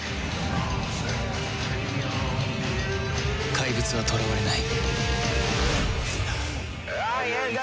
怪物は囚われない